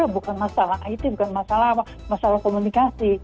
bukan masalah it bukan masalah apa masalah komunikasi